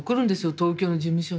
東京の事務所に。